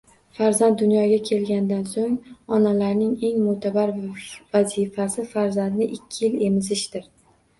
Farzand dunyoga kelgandan so‘ng, onalarining eng mo‘tabar vazifasi farzandni ikki yil emizishidir